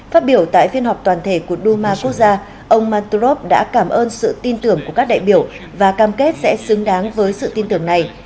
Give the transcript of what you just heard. phát biểu tại phiên họp toàn thể của duma quốc gia ông mantorov đã cảm ơn sự tin tưởng của các đại biểu và cam kết sẽ xứng đáng với sự tin tưởng này